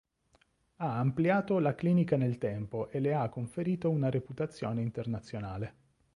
Ha ampliato la clinica nel tempo e le ha conferito una reputazione internazionale.